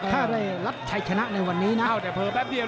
ถ้าได้รับชัยชนะในวันนี้นะเอาแต่เผลอแป๊บเดียว